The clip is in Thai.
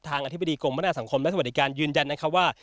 ทางอธิบดีกรุงบรรณสังคมและสวัสดิการยืนยันนะคะว่า